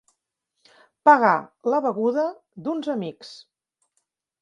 Pagar la beguda d'uns amics.